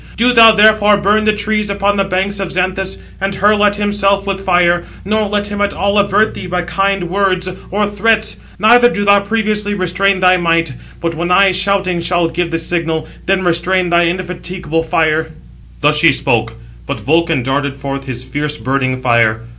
Do thou, therefore, burn the trees upon the banks of Xanthus, and hurl at himself with fire, nor let him at all avert thee by kind words or threats: neither do thou previously restrain thy might; but when I, shouting, shall give the signal, then restrain thy indefatigable fire." Thus she spoke; but Vulcan darted forth his fierce burning fire.